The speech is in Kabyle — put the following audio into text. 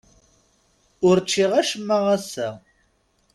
Ur ččiɣ acemma ass-a.